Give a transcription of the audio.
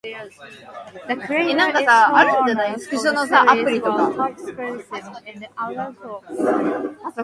The creators and showrunners of the series were Tom Spezialy and Alan Cross.